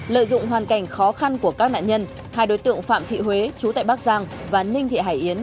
lợi dụng hoàn cảnh khó khăn của các nạn nhân hai đối tượng phạm thị huế chú tại bắc giang và ninh thị hải yến